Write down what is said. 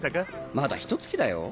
まだひと月だよ。